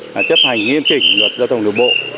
là chấp hành nghiêm trình luật giao thông đường bộ